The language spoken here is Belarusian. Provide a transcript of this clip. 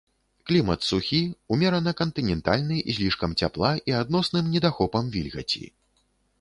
Клімат сухі, умерана-кантынентальны з лішкам цяпла і адносным недахопам вільгаці.